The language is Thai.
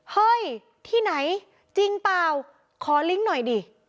เฮ้ยที่ไหนจริงเปล่าขอลิงก์หน่อยดิ